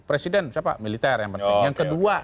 presiden siapa militer yang penting